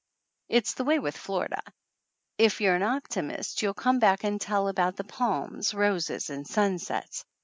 It's the way with Florida. If you're an opti mist you'll come back and tell about the palms, roses and sunsets.